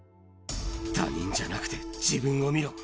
他人じゃなくて自分を見ろ！